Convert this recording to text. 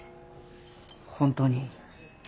本当に？